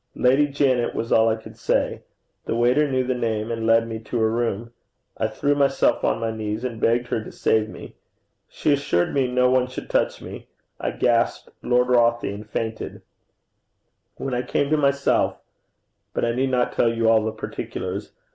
'Lady Janet,' was all I could say. The waiter knew the name, and led me to her room. I threw myself on my knees, and begged her to save me. She assured me no one should touch me. I gasped 'Lord Rothie,' and fainted. When I came to myself but I need not tell you all the particulars.